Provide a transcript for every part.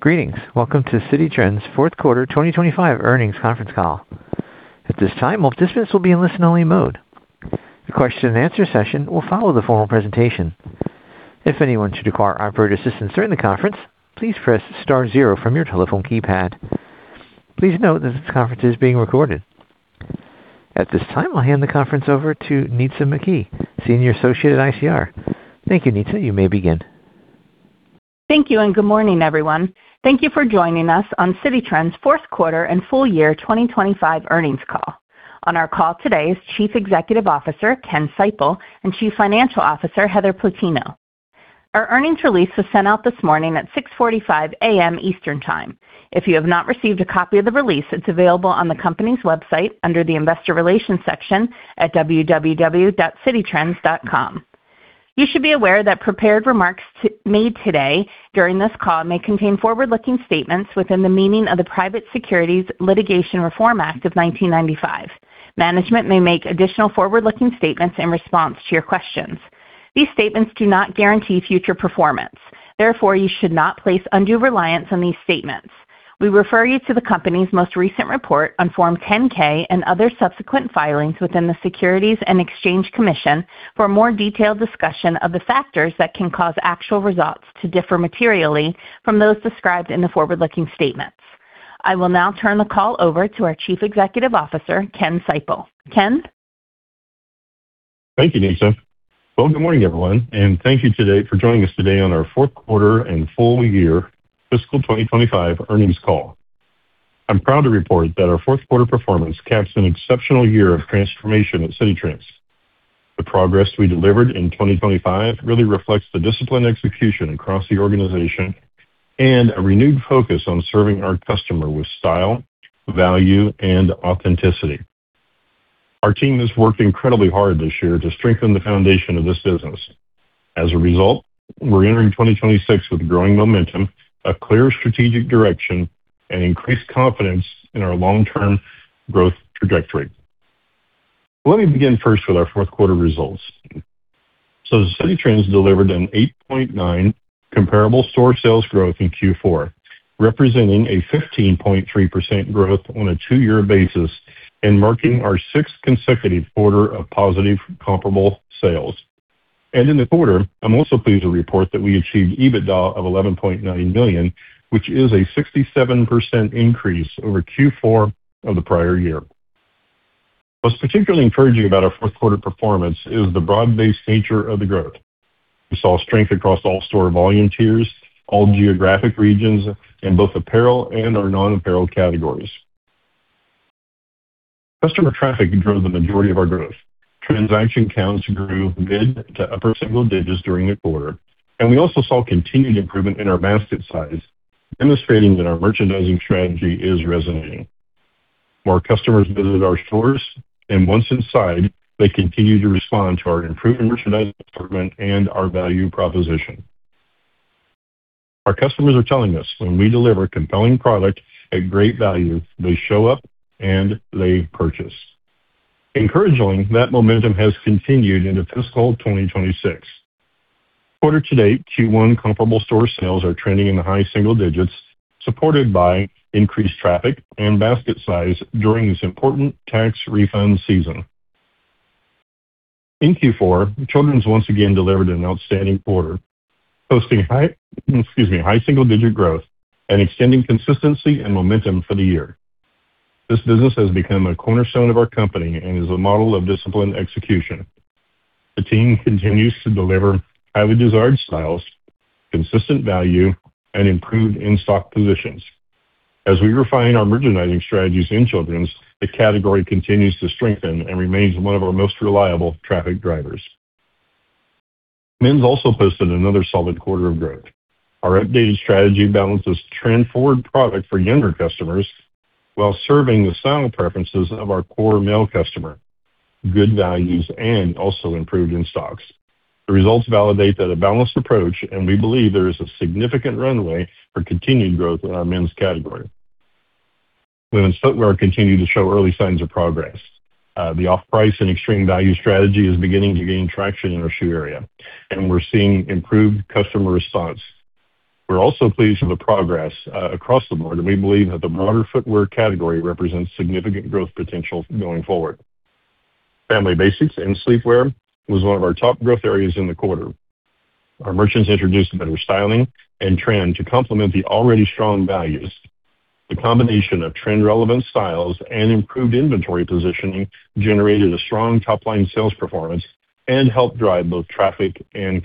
Greetings. Welcome to Citi Trends Fourth Quarter 2025 Earnings Conference Call. At this time, most participants will be in listen only mode. The question-and-answer session will follow the formal presentation. If anyone should require operator assistance during the conference, please press star zero from your telephone keypad. Please note that this conference is being recorded. At this time, I'll hand the conference over to Nitza McKee, Senior Associate at ICR. Thank you, Nitza. You may begin. Thank you and good morning, everyone. Thank you for joining us on Citi Trends fourth quarter and full year 2025 earnings call. On our call today is Chief Executive Officer, Ken Seipel, and Chief Financial Officer, Heather Plutino. Our earnings release was sent out this morning at 6:45 A.M. Eastern Time. If you have not received a copy of the release, it's available on the company's website under the Investor Relations section at www.cititrends.com. You should be aware that prepared remarks made today during this call may contain forward-looking statements within the meaning of the Private Securities Litigation Reform Act of 1995. Management may make additional forward-looking statements in response to your questions. These statements do not guarantee future performance. Therefore, you should not place undue reliance on these statements. We refer you to the company's most recent report on Form 10-K and other subsequent filings with the Securities and Exchange Commission for more detailed discussion of the factors that can cause actual results to differ materially from those described in the forward-looking statements. I will now turn the call over to our Chief Executive Officer, Ken Seipel. Ken? Thank you, Nitza. Well, good morning, everyone, and thank you today for joining us today on our fourth quarter and full year fiscal 2025 earnings call. I'm proud to report that our fourth quarter performance caps an exceptional year of transformation at Citi Trends. The progress we delivered in 2025 really reflects the disciplined execution across the organization and a renewed focus on serving our customer with style, value, and authenticity. Our team has worked incredibly hard this year to strengthen the foundation of this business. As a result, we're entering 2026 with growing momentum, a clear strategic direction, and increased confidence in our long term growth trajectory. Let me begin first with our fourth quarter results. Citi Trends delivered an 8.9 comparable store sales growth in Q4, representing a 15.3% growth on a two-year basis and marking our sixth consecutive quarter of positive comparable sales. In the quarter, I'm also pleased to report that we achieved EBITDA of $11.9 million, which is a 67% increase over Q4 of the prior year. What's particularly encouraging about our fourth quarter performance is the broad-based nature of the growth. We saw strength across all store volume tiers, all geographic regions, in both apparel and our non-apparel categories. Customer traffic drove the majority of our growth. Transaction counts grew mid- to upper-single digits during the quarter, and we also saw continued improvement in our basket size, demonstrating that our merchandising strategy is resonating. More customers visit our stores, and once inside, they continue to respond to our improved merchandise assortment and our value proposition. Our customers are telling us when we deliver compelling product at great value, they show up and they purchase. Encouragingly, that momentum has continued into fiscal 2026. Quarter to date, Q1 comparable store sales are trending in the high single digits, supported by increased traffic and basket size during this important tax refund season. In Q4, Children's once again delivered an outstanding quarter, posting high single-digit growth and extending consistency and momentum for the year. This business has become a cornerstone of our company and is a model of disciplined execution. The team continues to deliver highly desired styles, consistent value, and improved in-stock positions. As we refine our merchandising strategies in Children's, the category continues to strengthen and remains one of our most reliable traffic drivers. Men's also posted another solid quarter of growth. Our updated strategy balances trend-forward product for younger customers while serving the style preferences of our core male customer, good values and also improved in-stocks. The results validate that a balanced approach, and we believe there is a significant runway for continued growth in our Men's category. Women's footwear continued to show early signs of progress. The off-price and extreme value strategy is beginning to gain traction in our shoe area, and we're seeing improved customer response. We're also pleased with the progress across the board, and we believe that the broader footwear category represents significant growth potential going forward. Family Basics and sleepwear was one of our top growth areas in the quarter. Our merchants introduced better styling and trend to complement the already strong values. The combination of trend relevant styles and improved inventory positioning generated a strong top-line sales performance and helped drive both traffic and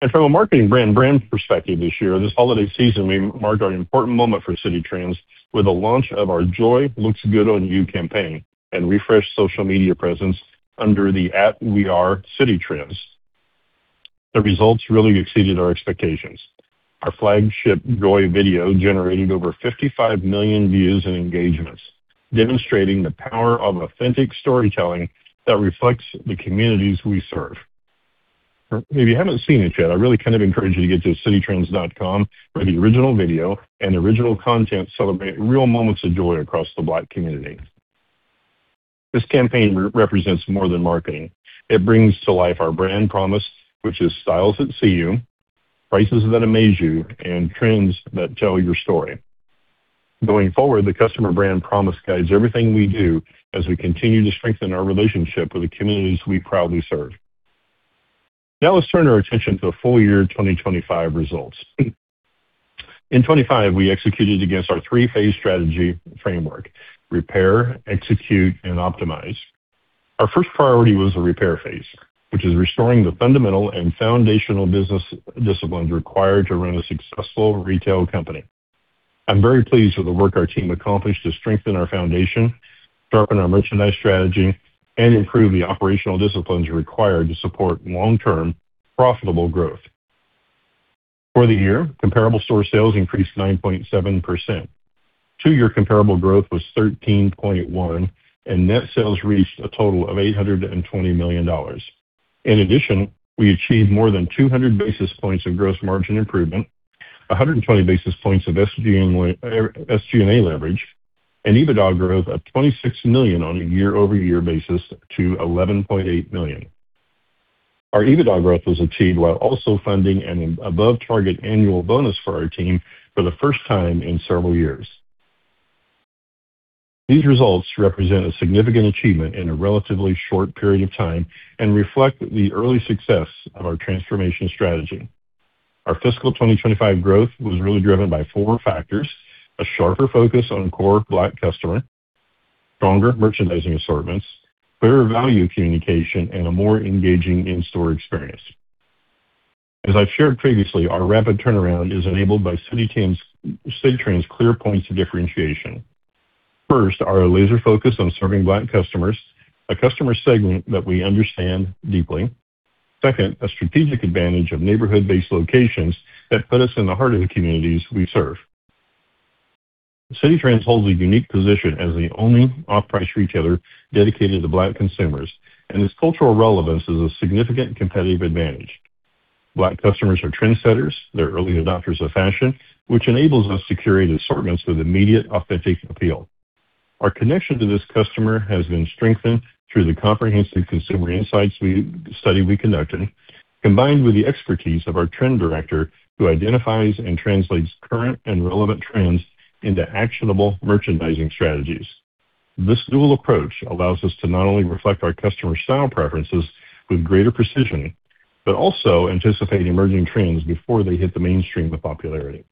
conversion. From a marketing brand perspective this year, this holiday season, we marked our important moment for Citi Trends with the launch of our Joy Looks Good on You campaign and refreshed social media presence under the @wearecititrends. The results really exceeded our expectations. Our flagship Joy video generated over 55 million views and engagements, demonstrating the power of authentic storytelling that reflects the communities we serve. If you haven't seen it yet, I really kind of encourage you to get to cititrends.com for the original video and original content celebrate real moments of joy across the Black community. This campaign represents more than marketing. It brings to life our brand promise, which is styles that see you, prices that amaze you, and trends that tell your story. Going forward, the customer brand promise guides everything we do as we continue to strengthen our relationship with the communities we proudly serve. Now, let's turn our attention to the full year 2025 results. In 2025, we executed against our three-phase strategy framework, repair, execute, and optimize. Our first priority was the repair phase, which is restoring the fundamental and foundational business disciplines required to run a successful retail company. I'm very pleased with the work our team accomplished to strengthen our foundation, sharpen our merchandise strategy, and improve the operational disciplines required to support long-term profitable growth. For the year, comparable store sales increased 9.7%. Two-year comparable growth was 13.1%, and net sales reached a total of $820 million. In addition, we achieved more than 200 basis points of gross margin improvement, 120 basis points of SG&A leverage, and EBITDA growth of $26 million on a year-over-year basis to $11.8 million. Our EBITDA growth was achieved while also funding an above target annual bonus for our team for the first time in several years. These results represent a significant achievement in a relatively short period of time and reflect the early success of our transformation strategy. Our fiscal 2025 growth was really driven by four factors, a sharper focus on core Black customer, stronger merchandising assortments, better value communication, and a more engaging in-store experience. As I've shared previously, our rapid turnaround is enabled by Citi Trends' clear points of differentiation. First, our laser focus on serving Black customers, a customer segment that we understand deeply. Second, a strategic advantage of neighborhood-based locations that put us in the heart of the communities we serve. Citi Trends holds a unique position as the only off-price retailer dedicated to Black consumers, and its cultural relevance is a significant competitive advantage. Black customers are trendsetters. They're early adopters of fashion, which enables us to curate assortments with immediate authentic appeal. Our connection to this customer has been strengthened through the comprehensive consumer insights study we conducted, combined with the expertise of our trend director, who identifies and translates current and relevant trends into actionable merchandising strategies. This dual approach allows us to not only reflect our customer style preferences with greater precision, but also anticipate emerging trends before they hit the mainstream of popularity.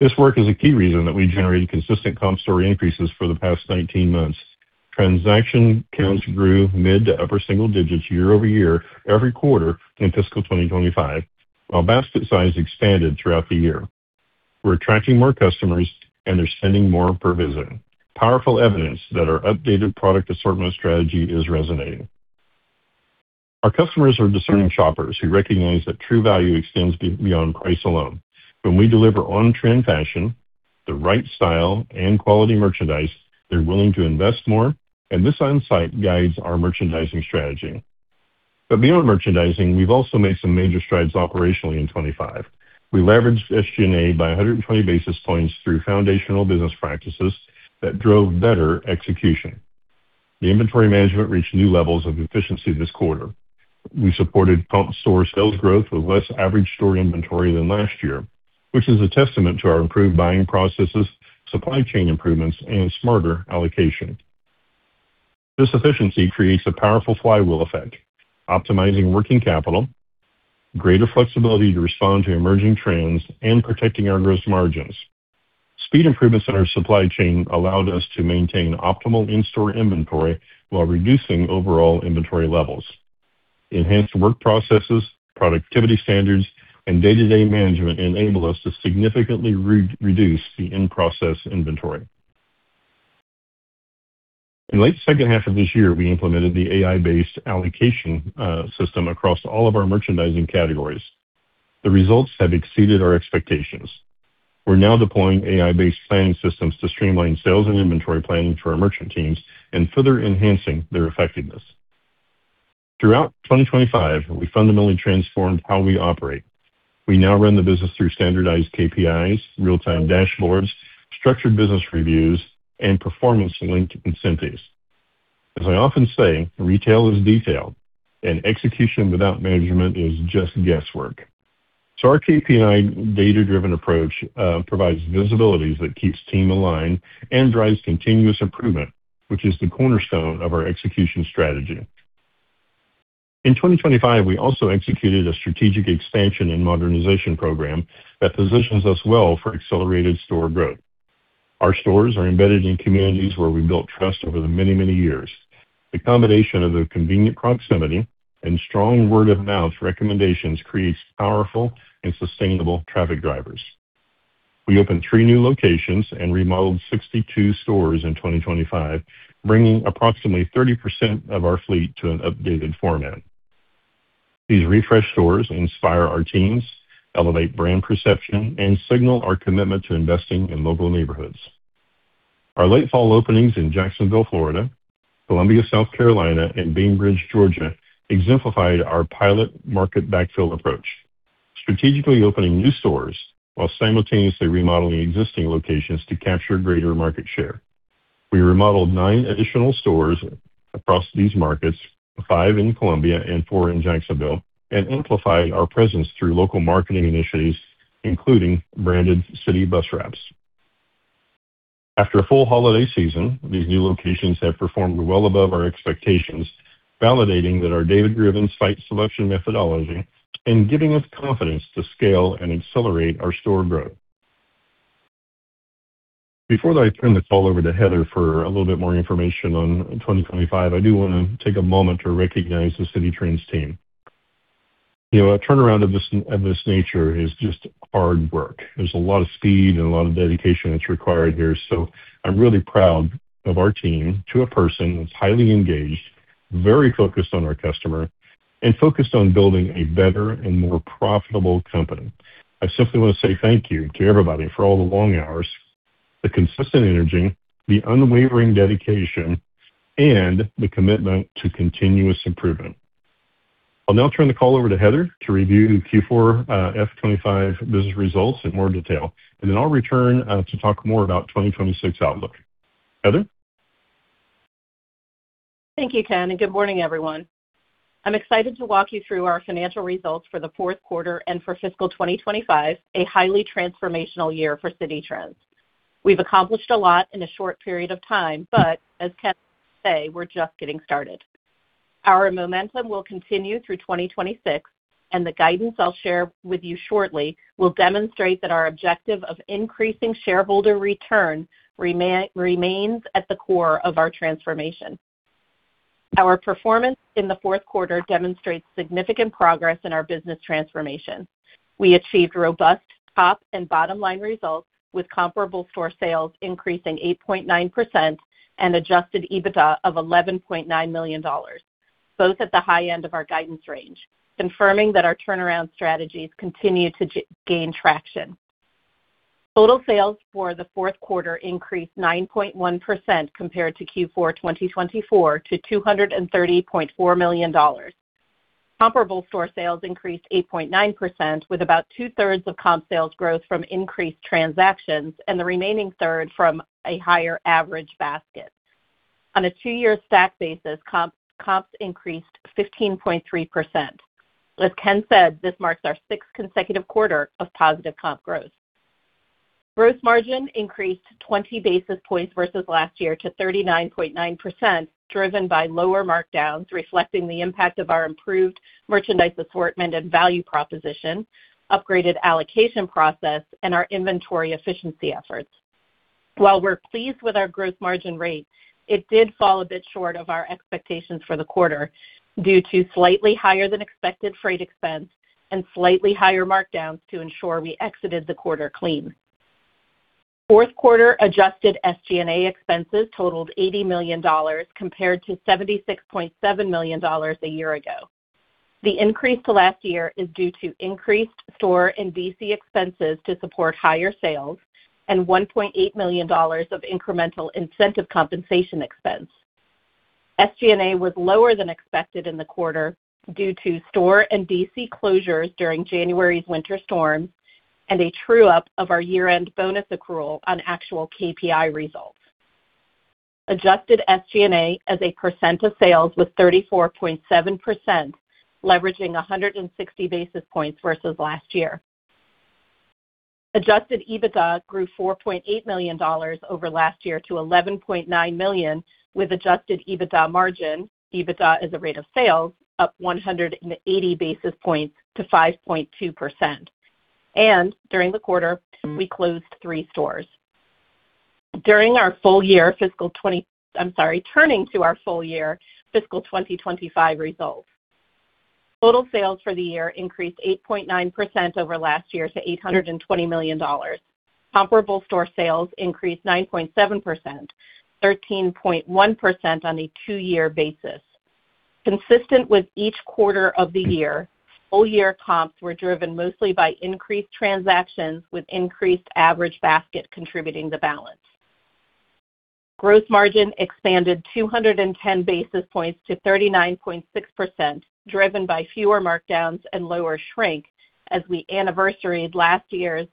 This work is a key reason that we generated consistent comp store increases for the past 19 months. Transaction counts grew mid- to upper-single digits year-over-year every quarter in fiscal 2025, while basket size expanded throughout the year. We're attracting more customers, and they're spending more per visit. Powerful evidence that our updated product assortment strategy is resonating. Our customers are discerning shoppers who recognize that true value extends beyond price alone. When we deliver on-trend fashion, the right style and quality merchandise, they're willing to invest more, and this insight guides our merchandising strategy. Beyond merchandising, we've also made some major strides operationally in 2025. We leveraged SG&A by 120 basis points through foundational business practices that drove better execution. The inventory management reached new levels of efficiency this quarter. We supported comp store sales growth with less average store inventory than last year, which is a testament to our improved buying processes, supply chain improvements, and smarter allocation. This efficiency creates a powerful flywheel effect, optimizing working capital, greater flexibility to respond to emerging trends, and protecting our gross margins. Speed improvements in our supply chain allowed us to maintain optimal in-store inventory while reducing overall inventory levels. Enhanced work processes, productivity standards, and day-to-day management enable us to significantly reduce the in-process inventory. In late second half of this year, we implemented the AI-based allocation system across all of our merchandising categories. The results have exceeded our expectations. We're now deploying AI-based planning systems to streamline sales and inventory planning for our merchant teams and further enhancing their effectiveness. Throughout 2025, we fundamentally transformed how we operate. We now run the business through standardized KPIs, real-time dashboards, structured business reviews, and performance-linked incentives. As I often say, retail is detailed, and execution without management is just guesswork. Our KPI data-driven approach provides visibilities that keeps team aligned and drives continuous improvement, which is the cornerstone of our execution strategy. In 2025, we also executed a strategic expansion and modernization program that positions us well for accelerated store growth. Our stores are embedded in communities where we built trust over the many, many years. The combination of the convenient proximity and strong word-of-mouth recommendations creates powerful and sustainable traffic drivers. We opened three new locations and remodeled 62 stores in 2025, bringing approximately 30% of our fleet to an updated format. These refreshed stores inspire our teams, elevate brand perception, and signal our commitment to investing in local neighborhoods. Our late fall openings in Jacksonville, Florida, Columbia, South Carolina, and Bainbridge, Georgia, exemplified our pilot market backfill approach. Strategically opening new stores while simultaneously remodeling existing locations to capture greater market share. We remodeled nine additional stores across these markets, five in Columbia and four in Jacksonville, and amplified our presence through local marketing initiatives, including branded city bus routes. After a full holiday season, these new locations have performed well above our expectations, validating that our data-driven site selection methodology and giving us confidence to scale and accelerate our store growth. Before I turn this call over to Heather for a little bit more information on 2025, I do want to take a moment to recognize the Citi Trends team. You know, a turnaround of this nature is just hard work. There's a lot of speed and a lot of dedication that's required here, so I'm really proud of our team to a person that's highly engaged, very focused on our customer, and focused on building a better and more profitable company. I simply want to say thank you to everybody for all the long hours, the consistent energy, the unwavering dedication, and the commitment to continuous improvement. I'll now turn the call over to Heather to review Q4 FY 2025 business results in more detail, and then I'll return to talk more about 2026 outlook. Heather. Thank you, Ken, and good morning, everyone. I'm excited to walk you through our financial results for the fourth quarter and for fiscal 2025, a highly transformational year for Citi Trends. We've accomplished a lot in a short period of time, but as Ken said, we're just getting started. Our momentum will continue through 2026, and the guidance I'll share with you shortly will demonstrate that our objective of increasing shareholder return remains at the core of our transformation. Our performance in the fourth quarter demonstrates significant progress in our business transformation. We achieved robust top and bottom-line results, with comparable store sales increasing 8.9% and adjusted EBITDA of $11.9 million, both at the high end of our guidance range, confirming that our turnaround strategies continue to gain traction. Total sales for the fourth quarter increased 9.1% compared to Q4 2024 to $230.4 million. Comparable store sales increased 8.9%, with about two-thirds of comp sales growth from increased transactions and the remaining third from a higher average basket. On a two-year stack basis, comps increased 15.3%. As Ken said, this marks our sixth consecutive quarter of positive comp growth. Gross margin increased 20 basis points versus last year to 39.9%, driven by lower markdowns, reflecting the impact of our improved merchandise assortment and value proposition, upgraded allocation process, and our inventory efficiency efforts. While we're pleased with our growth margin rate, it did fall a bit short of our expectations for the quarter due to slightly higher than expected freight expense and slightly higher markdowns to ensure we exited the quarter clean. Fourth quarter adjusted SG&A expenses totaled $80 million compared to $76.7 million a year ago. The increase to last year is due to increased store and DC expenses to support higher sales and $1.8 million of incremental incentive compensation expense. SG&A was lower than expected in the quarter due to store and DC closures during January's winter storm and a true up of our year-end bonus accrual on actual KPI results. Adjusted SG&A as a percent of sales was 34.7%, leveraging 160 basis points versus last year. Adjusted EBITDA grew $4.8 million over last year to $11.9 million, with adjusted EBITDA margin, EBITDA as a rate of sales, up 180 basis points to 5.2%. During the quarter, we closed three stores. Turning to our full year fiscal 2025 results. Total sales for the year increased 8.9% over last year to $820 million. Comparable store sales increased 9.7%, 13.1% on a 2-year basis. Consistent with each quarter of the year, full year comps were driven mostly by increased transactions, with increased average basket contributing the balance. Gross margin expanded 210 basis points to 39.6%, driven by fewer markdowns and lower shrink as we anniversaried last year's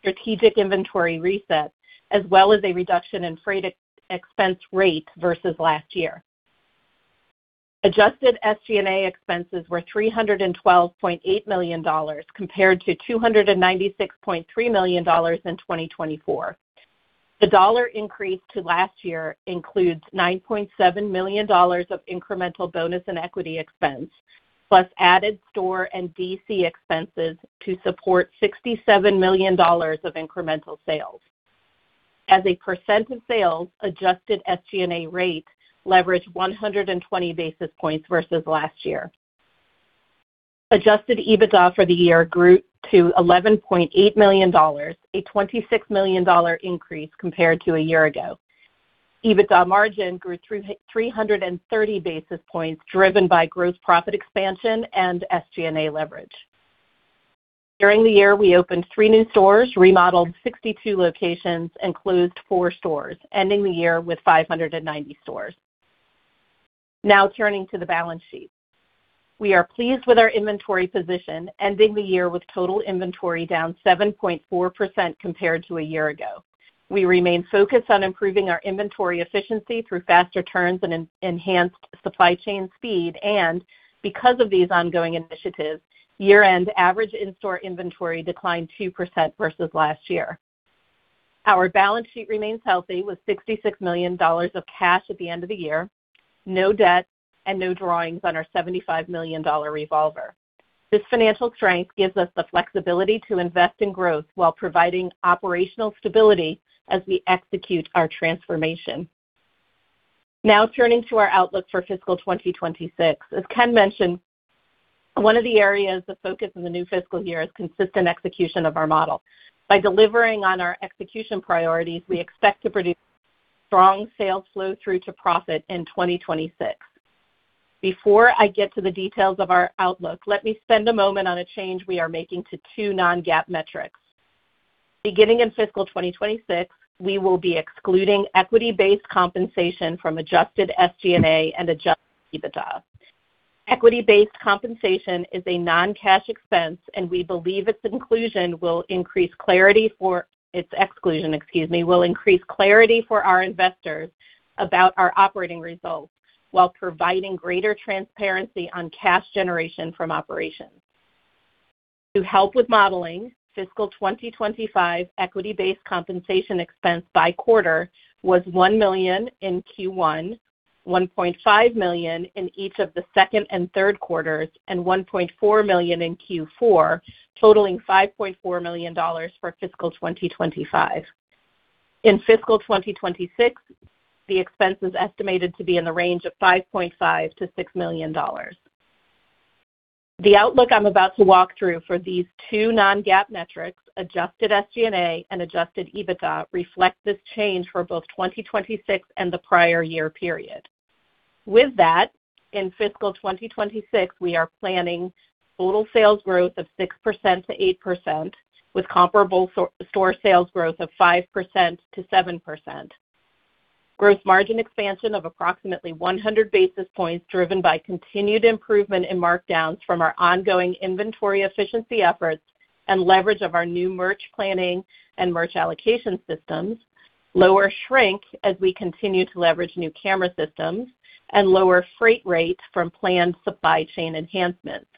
strategic inventory reset, as well as a reduction in freight expense rate versus last year. Adjusted SG&A expenses were $312.8 million compared to $296.3 million in 2024. The dollar increase to last year includes $9.7 million of incremental bonus and equity expense, plus added store and DC expenses to support $67 million of incremental sales. As a percent of sales, adjusted SG&A rate leveraged 120 basis points versus last year. Adjusted EBITDA for the year grew to $11.8 million, a $26 million increase compared to a year ago. EBITDA margin grew 330 basis points, driven by gross profit expansion and SG&A leverage. During the year, we opened three new stores, remodeled 62 locations, and closed four stores, ending the year with 590 stores. Now turning to the balance sheet. We are pleased with our inventory position, ending the year with total inventory down 7.4% compared to a year ago. We remain focused on improving our inventory efficiency through faster turns and enhanced supply chain speed. Because of these ongoing initiatives, year-end average in-store inventory declined 2% versus last year. Our balance sheet remains healthy, with $66 million of cash at the end of the year, no debt, and no drawings on our $75 million revolver. This financial strength gives us the flexibility to invest in growth while providing operational stability as we execute our transformation. Now turning to our outlook for fiscal 2026. As Ken mentioned, one of the areas of focus in the new fiscal year is consistent execution of our model. By delivering on our execution priorities, we expect to produce strong sales flow through to profit in 2026. Before I get to the details of our outlook, let me spend a moment on a change we are making to two non-GAAP metrics. Beginning in fiscal 2026, we will be excluding equity-based compensation from adjusted SG&A and adjusted EBITDA. Equity-based compensation is a non-cash expense, and we believe its exclusion, excuse me, will increase clarity for our investors about our operating results while providing greater transparency on cash generation from operations. To help with modeling, fiscal 2025 equity-based compensation expense by quarter was $1 million in Q1, $1.5 million in each of the second and third quarters, and $1.4 million in Q4, totaling $5.4 million for fiscal 2025. In fiscal 2026, the expense is estimated to be in the range of $5.5-$6 million. The outlook I'm about to walk through for these two non-GAAP metrics, adjusted SG&A and adjusted EBITDA, reflect this change for both 2026 and the prior year period. With that, in fiscal 2026, we are planning total sales growth of 6%-8%, with comparable same-store sales growth of 5%-7%. Gross margin expansion of approximately 100 basis points, driven by continued improvement in markdowns from our ongoing inventory efficiency efforts and leverage of our new merch planning and merch allocation systems. Lower shrink as we continue to leverage new camera systems and lower freight rates from planned supply chain enhancements.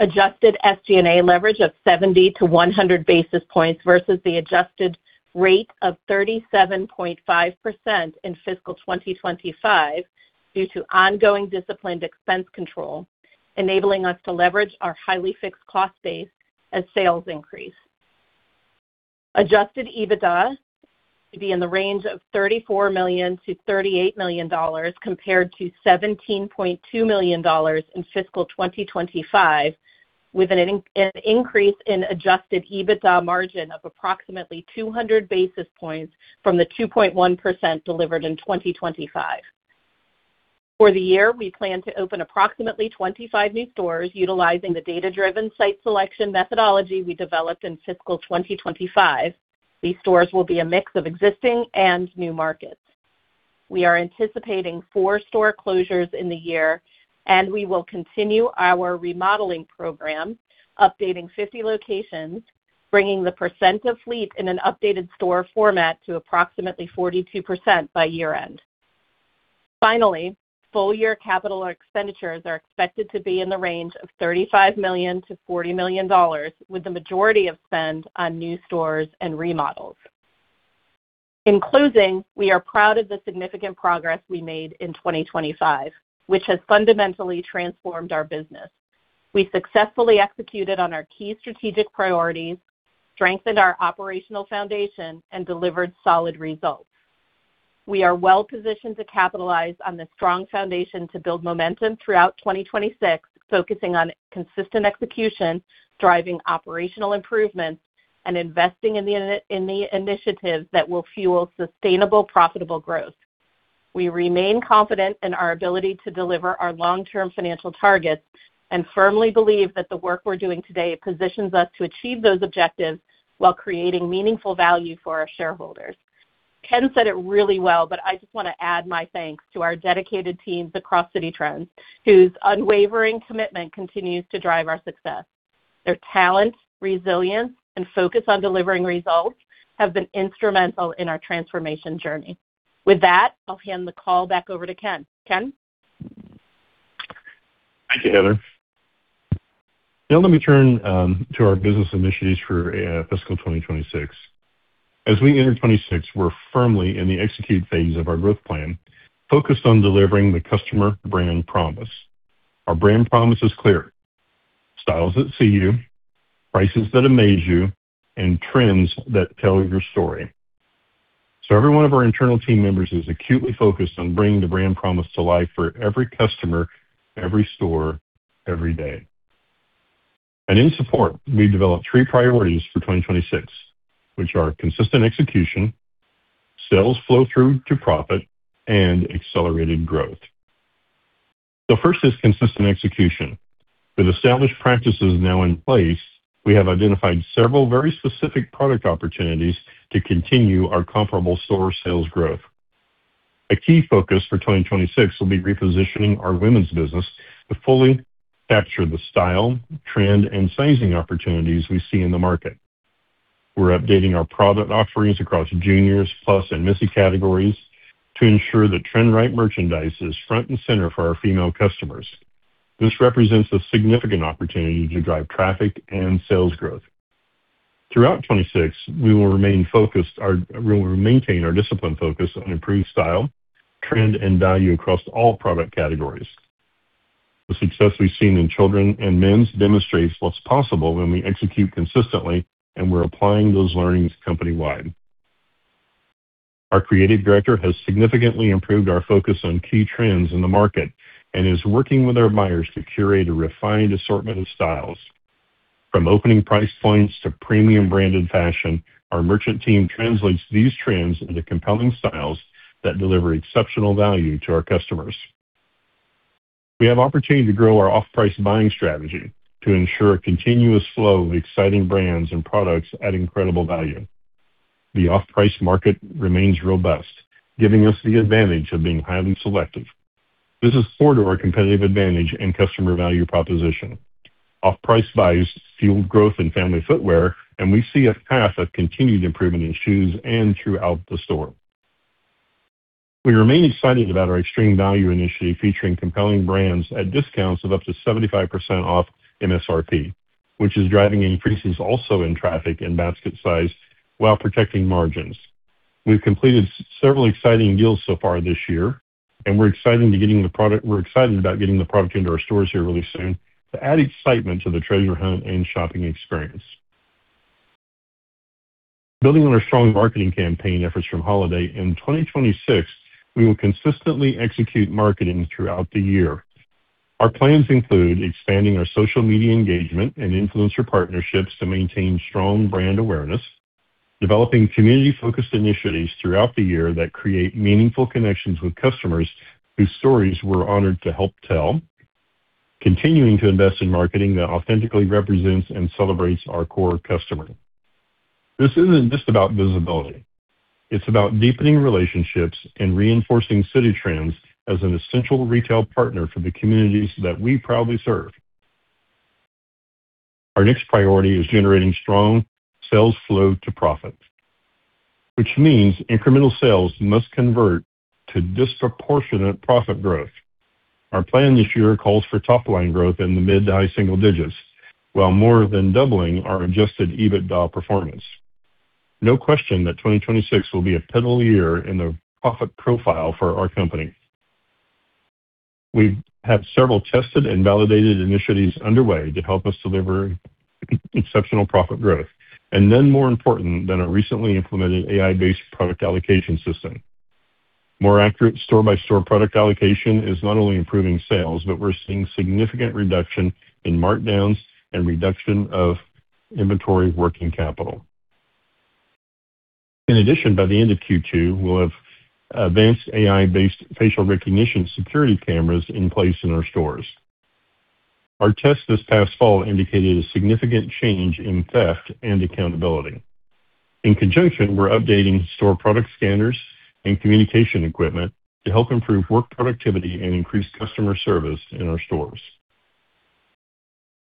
Adjusted SG&A leverage of 70-100 basis points versus the adjusted rate of 37.5% in fiscal 2025 due to ongoing disciplined expense control, enabling us to leverage our highly fixed cost base as sales increase. Adjusted EBITDA to be in the range of $34 million-$38 million, compared to $17.2 million in fiscal 2025, with an increase in adjusted EBITDA margin of approximately 200 basis points from the 2.1% delivered in 2025. For the year, we plan to open approximately 25 new stores utilizing the data-driven site selection methodology we developed in fiscal 2025. These stores will be a mix of existing and new markets. We are anticipating four store closures in the year, and we will continue our remodeling program, updating 50 locations, bringing the percent of fleet in an updated store format to approximately 42% by year-end. Finally, full-year capital expenditures are expected to be in the range of $35 million-$40 million, with the majority of spend on new stores and remodels. In closing, we are proud of the significant progress we made in 2025, which has fundamentally transformed our business. We successfully executed on our key strategic priorities, strengthened our operational foundation, and delivered solid results. We are well positioned to capitalize on the strong foundation to build momentum throughout 2026, focusing on consistent execution, driving operational improvements, and investing in the initiatives that will fuel sustainable, profitable growth. We remain confident in our ability to deliver our long-term financial targets and firmly believe that the work we're doing today positions us to achieve those objectives while creating meaningful value for our shareholders. Ken said it really well, but I just wanna add my thanks to our dedicated teams across Citi Trends, whose unwavering commitment continues to drive our success. Their talent, resilience, and focus on delivering results have been instrumental in our transformation journey. With that, I'll hand the call back over to Ken. Ken? Thank you, Heather. Now let me turn to our business initiatives for fiscal 2026. As we enter 2026, we're firmly in the execute phase of our growth plan, focused on delivering the customer brand promise. Our brand promise is clear. Styles that see you, prices that amaze you, and trends that tell your story. Every one of our internal team members is acutely focused on bringing the brand promise to life for every customer, every store, every day. In support, we've developed three priorities for 2026, which are consistent execution, sales flow-through to profit, and accelerated growth. The first is consistent execution. With established practices now in place, we have identified several very specific product opportunities to continue our comparable store sales growth. A key focus for 2026 will be repositioning our women's business to fully capture the style, trend, and sizing opportunities we see in the market. We're updating our product offerings across juniors, Plus, and Missy categories to ensure that trend-right merchandise is front and center for our female customers. This represents a significant opportunity to drive traffic and sales growth. Throughout 2026, we will maintain our disciplined focus on improved style, trend, and value across all product categories. The success we've seen in Children's and Men's demonstrates what's possible when we execute consistently, and we're applying those learnings company-wide. Our creative director has significantly improved our focus on key trends in the market and is working with our buyers to curate a refined assortment of styles. From opening price points to premium branded fashion, our merchant team translates these trends into compelling styles that deliver exceptional value to our customers. We have opportunity to grow our off-price buying strategy to ensure a continuous flow of exciting brands and products at incredible value. The off-price market remains robust, giving us the advantage of being highly selective. This is core to our competitive advantage and customer value proposition. Off-price buys fueled growth in family footwear, and we see a path of continued improvement in shoes and throughout the store. We remain excited about our extreme value initiative, featuring compelling brands at discounts of up to 75% off MSRP, which is driving increases also in traffic and basket size while protecting margins. We've completed several exciting deals so far this year, and we're exciting to getting the product. We're excited about getting the product into our stores here really soon to add excitement to the treasure hunt and shopping experience. Building on our strong marketing campaign efforts from holiday, in 2026, we will consistently execute marketing throughout the year. Our plans include expanding our social media engagement and influencer partnerships to maintain strong brand awareness, developing community-focused initiatives throughout the year that create meaningful connections with customers whose stories we're honored to help tell, continuing to invest in marketing that authentically represents and celebrates our core customer. This isn't just about visibility. It's about deepening relationships and reinforcing Citi Trends as an essential retail partner for the communities that we proudly serve. Our next priority is generating strong sales flow to profit, which means incremental sales must convert to disproportionate profit growth. Our plan this year calls for top-line growth in the mid- to high-single digits, while more than doubling our adjusted EBITDA performance. No question that 2026 will be a pivotal year in the profit profile for our company. We have several tested and validated initiatives underway to help us deliver exceptional profit growth, and none more important than our recently implemented AI-based product allocation system. More accurate store-by-store product allocation is not only improving sales, but we're seeing significant reduction in markdowns and reduction of inventory working capital. In addition, by the end of Q2, we'll have advanced AI-based facial recognition security cameras in place in our stores. Our test this past fall indicated a significant change in theft and accountability. In conjunction, we're updating store product standards and communication equipment to help improve work productivity and increase customer service in our stores.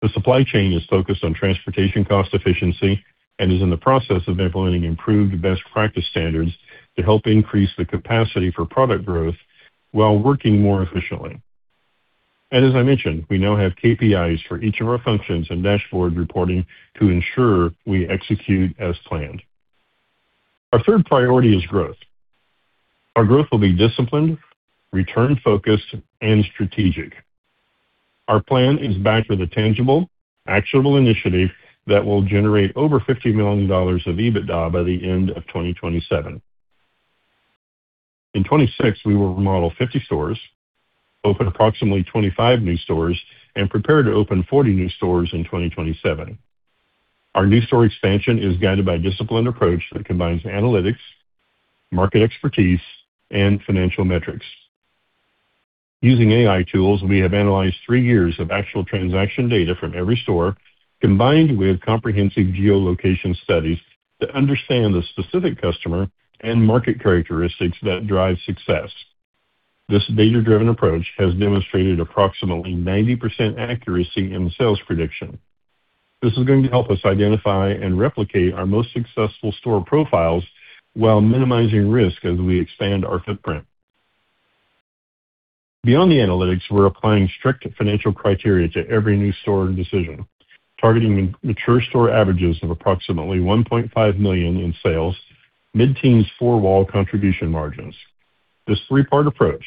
The supply chain is focused on transportation cost efficiency and is in the process of implementing improved best practice standards to help increase the capacity for product growth while working more efficiently. As I mentioned, we now have KPIs for each of our functions and dashboard reporting to ensure we execute as planned. Our third priority is growth. Our growth will be disciplined, return focused, and strategic. Our plan is backed with a tangible, actionable initiative that will generate over $50 million of EBITDA by the end of 2027. In 2026, we will remodel 50 stores, open approximately 25 new stores, and prepare to open 40 new stores in 2027. Our new store expansion is guided by a disciplined approach that combines analytics, market expertise, and financial metrics. Using AI tools, we have analyzed 3 years of actual transaction data from every store, combined with comprehensive geolocation studies to understand the specific customer and market characteristics that drive success. This data-driven approach has demonstrated approximately 90% accuracy in sales prediction. This is going to help us identify and replicate our most successful store profiles while minimizing risk as we expand our footprint. Beyond the analytics, we're applying strict financial criteria to every new store decision, targeting mature store averages of approximately $1.5 million in sales, mid-teens four-wall contribution margins. This three-part approach,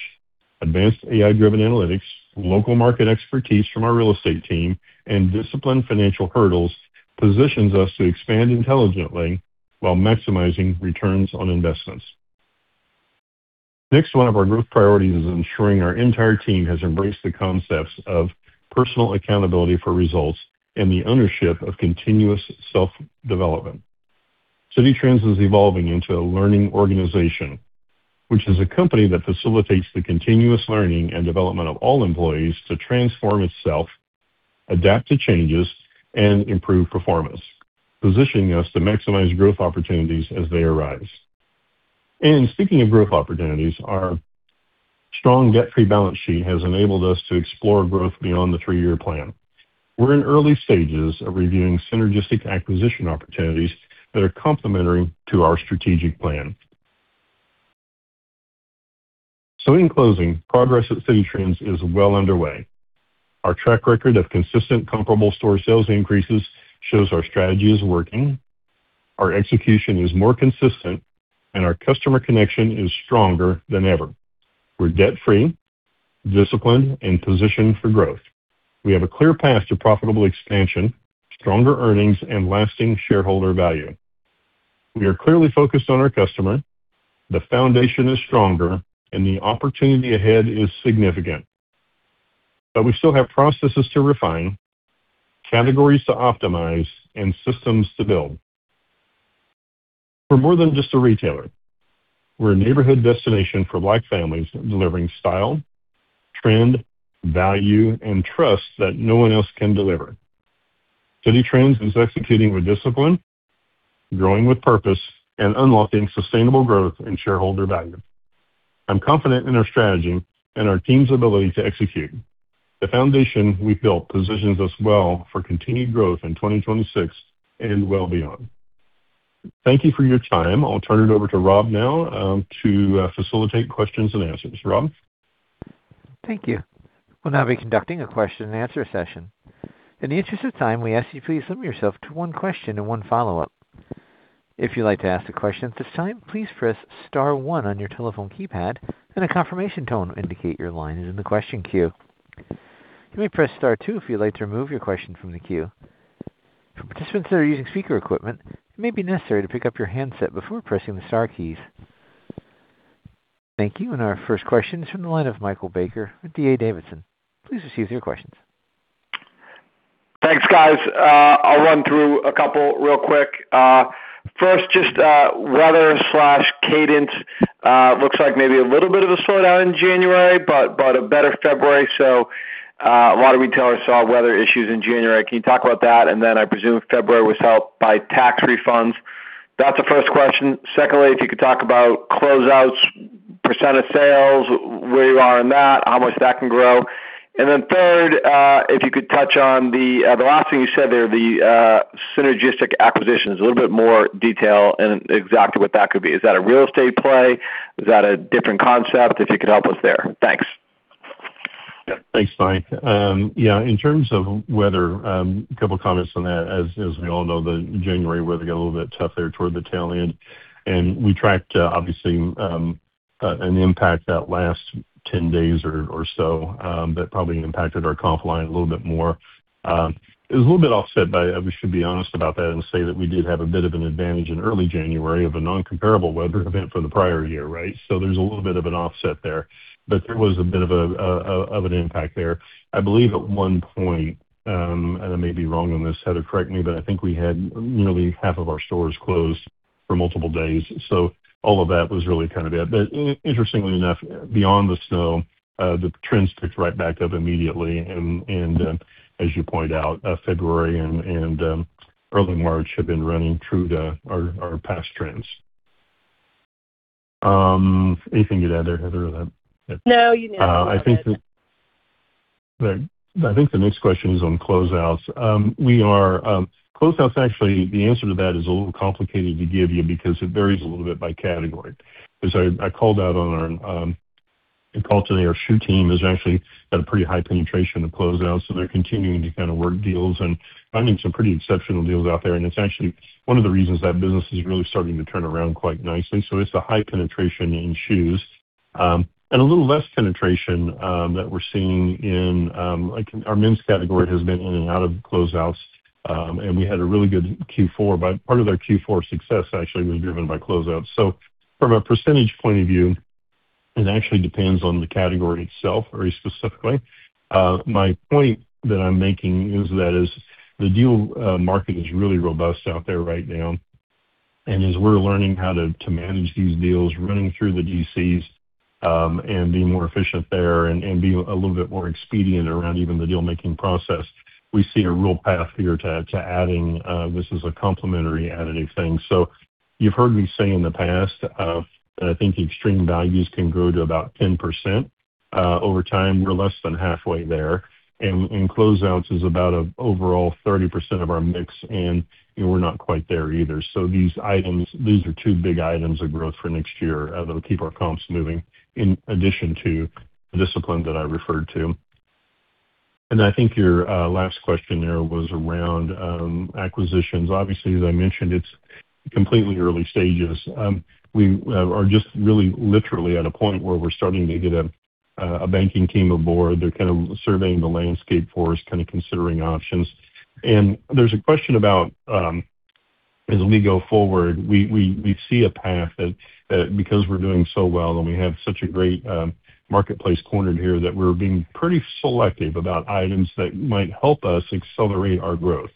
advanced AI-driven analytics, local market expertise from our real estate team, and disciplined financial hurdles, positions us to expand intelligently while maximizing returns on investments. Next, one of our growth priorities is ensuring our entire team has embraced the concepts of personal accountability for results and the ownership of continuous self-development. Citi Trends is evolving into a learning organization, which is a company that facilitates the continuous learning and development of all employees to transform itself, adapt to changes, and improve performance, positioning us to maximize growth opportunities as they arise. Speaking of growth opportunities, our strong debt-free balance sheet has enabled us to explore growth beyond the three-year plan. We're in early stages of reviewing synergistic acquisition opportunities that are complementary to our strategic plan. In closing, progress at Citi Trends is well underway. Our track record of consistent comparable store sales increases shows our strategy is working, our execution is more consistent, and our customer connection is stronger than ever. We're debt-free, disciplined, and positioned for growth. We have a clear path to profitable expansion, stronger earnings, and lasting shareholder value. We are clearly focused on our customer. The foundation is stronger and the opportunity ahead is significant. We still have processes to refine, categories to optimize, and systems to build. We're more than just a retailer. We're a neighborhood destination for Black families, delivering style, trend, value, and trust that no one else can deliver. Citi Trends is executing with discipline, growing with purpose, and unlocking sustainable growth and shareholder value. I'm confident in our strategy and our team's ability to execute. The foundation we've built positions us well for continued growth in 2026 and well beyond. Thank you for your time. I'll turn it over to Rob now, to facilitate questions and answers. Rob? Thank you. We'll now be conducting a question-and-answer session. In the interest of time, we ask you please limit yourself to one question and one follow up. If you'd like to ask a question at this time, please press star one on your telephone keypad and a confirmation tone indicate your line is in the question queue. You may press star two if you'd like to remove your question from the queue. For participants that are using speaker equipment, it may be necessary to pick up your handset before pressing the star keys. Thank you. Our first question is from the line of Michael Baker with D.A. Davidson. Please proceed with your questions. Thanks, guys. I'll run through a couple real quick. First, just weather/cadence. Looks like maybe a little bit of a slowdown in January, but a better February. A lot of retailers saw weather issues in January. Can you talk about that? Then I presume February was helped by tax refunds. That's the first question. Secondly, if you could talk about closeouts, percent of sales, where you are in that, how much that can grow. Third, if you could touch on the last thing you said there, the synergistic acquisitions, a little bit more detail and exactly what that could be. Is that a real estate play? Is that a different concept? If you could help us there. Thanks. Thanks, Mike. Yeah, in terms of weather, a couple of comments on that. As we all know, the January weather got a little bit tough there toward the tail end and we tracked obviously an impact that last 10 days or so that probably impacted our comp line a little bit more. It was a little bit offset by we should be honest about that and say that we did have a bit of an advantage in early January of a non comparable weather event from the prior year, right? So there's a little bit of an offset there, but there was a bit of an impact there. I believe at one point, and I may be wrong on this, Heather, correct me, but I think we had nearly half of our stores closed for multiple days. All of that was really kind of it. Interestingly enough, beyond the snow, the trends picked right back up immediately. As you point out, February and early March have been running true to our past trends. Anything you'd add there, Heather? No, you nailed it. I think the next question is on closeouts. Closeouts, actually, the answer to that is a little complicated to give you because it varies a little bit by category. As I called out on our call today, our shoe team has actually had a pretty high penetration of closeouts, so they're continuing to kind of work deals and finding some pretty exceptional deals out there. It's actually one of the reasons that business is really starting to turn around quite nicely. It's a high penetration in shoes, and a little less penetration that we're seeing in, like our men's category has been in and out of closeouts. We had a really good Q4, but part of their Q4 success actually was driven by closeouts. From a percentage point of view, it actually depends on the category itself very specifically. My point that I'm making is that the deal market is really robust out there right now. As we're learning how to manage these deals, running through the DCs, and being more efficient there and being a little bit more expedient around even the deal making process, we see a real path here to adding. This is a complementary additive thing. You've heard me say in the past that I think extreme values can grow to about 10% over time. We're less than halfway there. Closeouts is about overall 30% of our mix, and we're not quite there either. These items, these are two big items of growth for next year, that'll keep our comps moving in addition to the discipline that I referred to. I think your last question there was around acquisitions. Obviously, as I mentioned, it's completely early stages. We are just really literally at a point where we're starting to get a banking team aboard. They're kind of surveying the landscape for us, kind of considering options. There's a question about, as we go forward, we see a path that because we're doing so well and we have such a great marketplace cornered here, that we're being pretty selective about items that might help us accelerate our growth.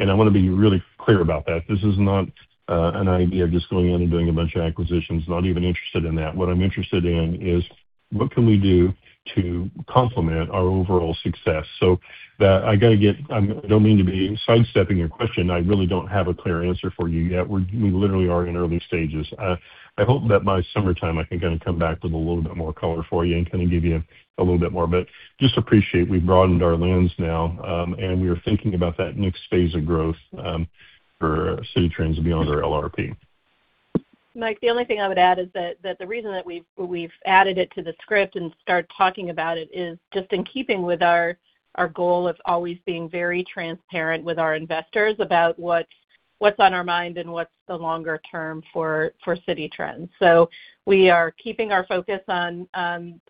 I wanna be really clear about that. This is not an idea of just going in and doing a bunch of acquisitions. Not even interested in that. What I'm interested in is what can we do to complement our overall success. I don't mean to be sidestepping your question. I really don't have a clear answer for you yet. We literally are in early stages. I hope that by summertime I can kinda come back with a little bit more color for you and kinda give you a little bit more. Just appreciate we've broadened our lens now, and we are thinking about that next phase of growth for Citi Trends beyond our LRP. Mike, the only thing I would add is that the reason that we've added it to the script and start talking about it is just in keeping with our goal of always being very transparent with our investors about what's on our mind and what's the longer term for Citi Trends. We are keeping our focus on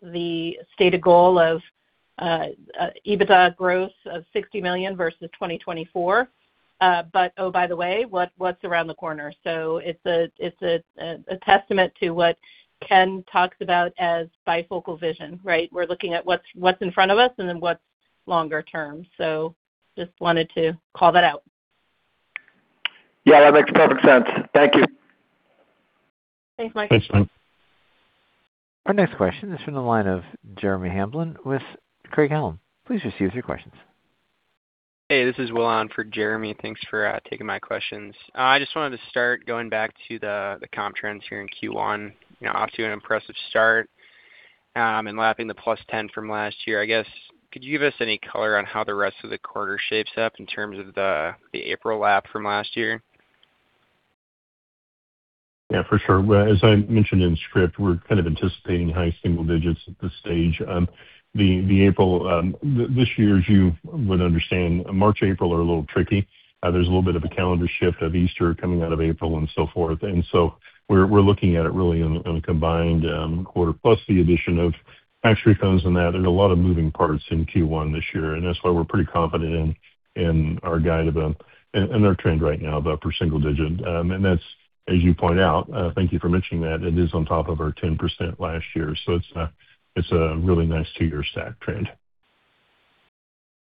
the stated goal of EBITDA growth of $60 million versus 2024. But oh, by the way, what's around the corner? So it's a testament to what Ken talks about as bifocal vision, right? We're looking at what's in front of us and then what's longer term. So just wanted to call that out. Yeah, that makes perfect sense. Thank you. Thanks, Mike. Thanks, Mike. Our next question is from the line of Jeremy Hamblin with Craig-Hallum. Please just use your questions. Hey, this is Will on for Jeremy. Thanks for taking my questions. I just wanted to start going back to the comp trends here in Q1. You know, off to an impressive start, and lapping the +10% from last year. I guess, could you give us any color on how the rest of the quarter shapes up in terms of the April lap from last year? Yeah, for sure. Well, as I mentioned in script, we're kind of anticipating high single digits at this stage. The April this year, as you would understand, March, April are a little tricky. There's a little bit of a calendar shift of Easter coming out of April and so forth. We're looking at it really on a combined quarter, plus the addition of tax refunds on that. There's a lot of moving parts in Q1 this year, and that's why we're pretty confident in our guide and our trend right now of upper single digit. That's as you point out, thank you for mentioning that, it is on top of our 10% last year. It's a really nice two-year stack trend.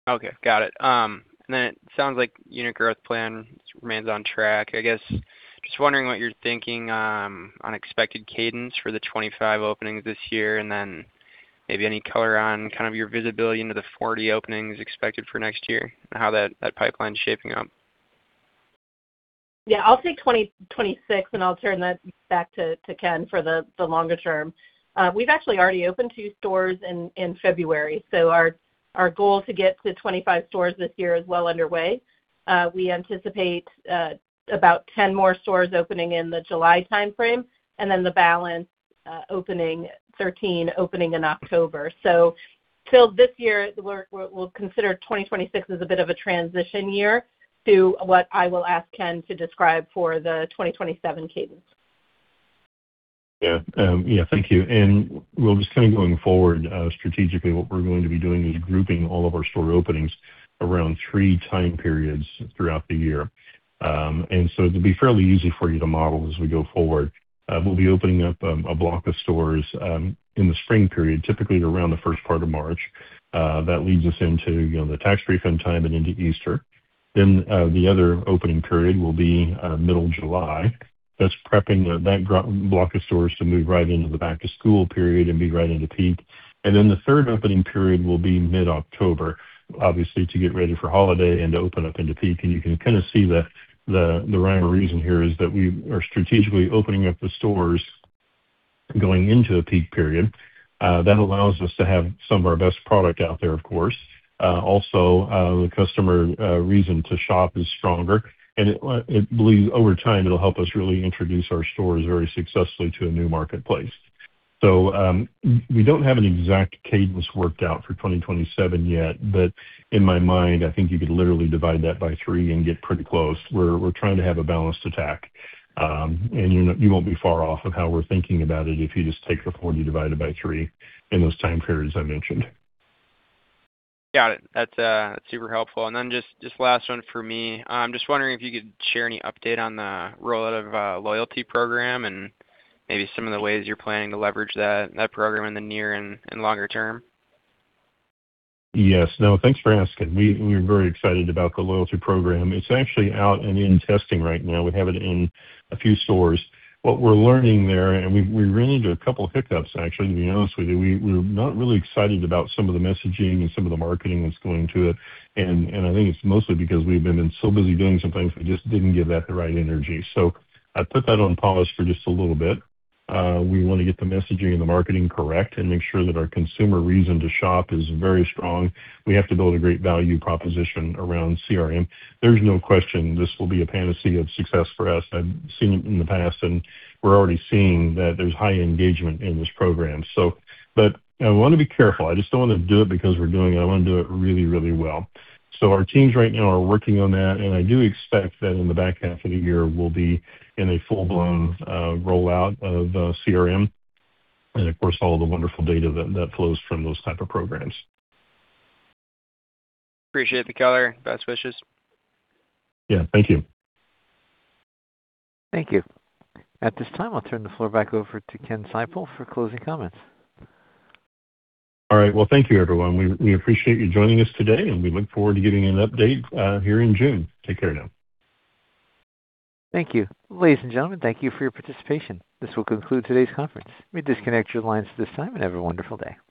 Okay, got it. It sounds like unit growth plan remains on track. I guess just wondering what you're thinking on expected cadence for the 25 openings this year and then maybe any color on kind of your visibility into the 40 openings expected for next year and how that pipeline is shaping up. Yeah, I'll take 2026 and I'll turn that back to Ken for the longer term. We've actually already opened two stores in February, so our goal to get to 25 stores this year is well underway. We anticipate about 10 more stores opening in the July timeframe and then the balance opening 13 in October. So this year, we'll consider 2026 as a bit of a transition year to what I will ask Ken to describe for the 2027 cadence. Yeah. Yeah. Thank you. We'll just kind of going forward, strategically what we're going to be doing is grouping all of our store openings around three time periods throughout the year. So it'll be fairly easy for you to model as we go forward. We'll be opening up a block of stores in the spring period, typically around the first part of March. That leads us into, you know, the tax refund time and into Easter. The other opening period will be middle July. That's prepping that block of stores to move right into the back to school period and be right into peak. The third opening period will be mid-October, obviously to get ready for holiday and to open up into peak. You can kinda see the rhyme or reason here is that we are strategically opening up the stores going into a peak period. That allows us to have some of our best product out there, of course. Also, the customer reason to shop is stronger and it builds over time it'll help us really introduce our stores very successfully to a new marketplace. We don't have an exact cadence worked out for 2027 yet, but in my mind, I think you could literally divide that by three and get pretty close. We're trying to have a balanced attack. You know, you won't be far off of how we're thinking about it if you just take the 40 divided by three in those time periods I mentioned. Got it. That's super helpful. Then just last one for me. I'm just wondering if you could share any update on the rollout of a loyalty program and maybe some of the ways you're planning to leverage that program in the near and longer term. Yes. No, thanks for asking. We're very excited about the loyalty program. It's actually out and in testing right now. We have it in a few stores. What we're learning there, and we've run into a couple of hiccups actually, to be honest with you. We're not really excited about some of the messaging and some of the marketing that's going to it. I think it's mostly because we've been so busy doing some things, we just didn't give that the right energy. I put that on pause for just a little bit. We wanna get the messaging and the marketing correct and make sure that our consumer reason to shop is very strong. We have to build a great value proposition around CRM. There's no question this will be a panacea of success for us. I've seen it in the past, and we're already seeing that there's high engagement in this program. I wanna be careful. I just don't wanna do it because we're doing it. I wanna do it really, really well. Our teams right now are working on that, and I do expect that in the back half of the year, we'll be in a full-blown rollout of CRM and of course, all the wonderful data that flows from those type of programs. Appreciate the color. Best wishes. Yeah. Thank you. Thank you. At this time, I'll turn the floor back over to Ken Seipel for closing comments. All right. Well, thank you everyone. We appreciate you joining us today, and we look forward to giving an update here in June. Take care now. Thank you. Ladies and gentlemen, thank you for your participation. This will conclude today's conference. You may disconnect your lines at this time and have a wonderful day.